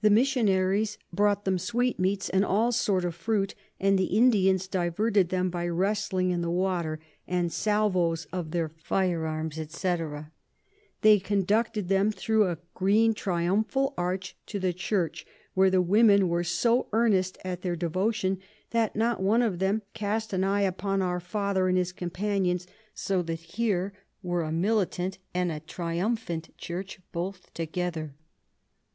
The Missionaries brought 'em Sweatmeats, and all sort of Fruit; and the Indians diverted them by wrestling in the Water, and Salvoes of their Fire Arms, &c. They conducted them thro a green Triumphal Arch to the Church, where the Women were so earnest at their Devotion, that not one of them cast an eye upon our Father and his Companions: so that here were a Militant and a Triumphant Church both together.